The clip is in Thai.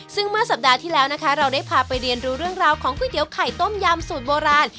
ซึ่งเมื่อสัปดาห์ที่แล้วนะคะเราได้พาไปเรียนรู้เรื่องราวของก๋วยเตี๋ยวไข่ต้มยำสูตรโบราณ